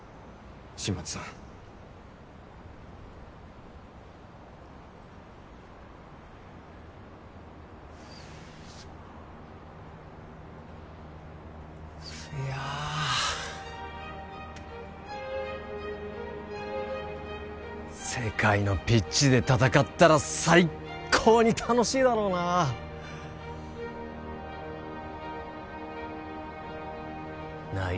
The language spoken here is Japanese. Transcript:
新町さんいや世界のピッチで戦ったら最高に楽しいだろうななあ